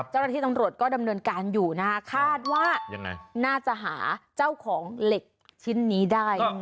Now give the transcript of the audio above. เจ้าหน้าที่ตำรวจก็ดำเนินการอยู่นะคะคาดว่าน่าจะหาเจ้าของเหล็กชิ้นนี้ได้